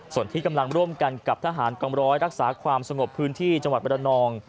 ส่วนที่กำลังร่วมกันกับทหารกองร้อยรักษาความสงบพื้นที่จังหวัดประนอง